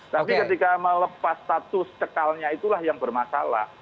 tapi ketika melepas status cekalnya itulah yang bermasalah